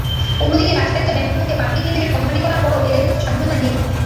অন্যদিকে রাষ্ট্রায়ত্ত ব্যাংকগুলোকে পাবলিক লিমিটেড কোম্পানি করার পরও এদের কোনো স্বাধীনতা নেই।